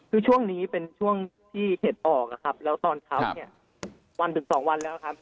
คือช่วงนี้เป็นช่วงที่เห็ดออกนะครับแล้วตอนเขาเนี่ยวันถึงสองวันแล้วครับ